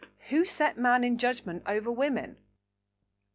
Who set man in judgment over woman?